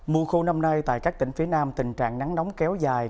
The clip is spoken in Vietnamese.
mùa khô năm nay tại các tỉnh phía nam tình trạng nắng nóng kéo dài